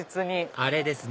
あれですね